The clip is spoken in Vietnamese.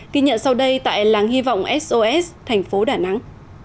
kỳ nhận sau đây tại làng hy vọng sos thành phố đà nẵng